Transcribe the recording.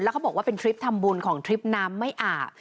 เขาบอกว่าเป็นทริปทำบุญของทริปน้ำไม่อาบ